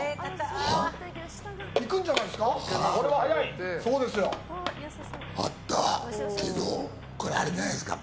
いくんじゃないですか？